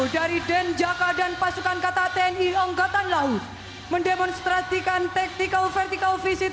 dari den jaka dan pasukan kata tni angkatan laut mendemonstrasikan teknikal vertikal visit